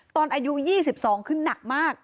ตอนอายุ๒๒ขึ้นหนักมาก